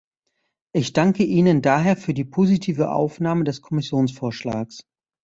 Ich danke Ihnen daher für die positive Aufnahme des Kommissionsvorschlags.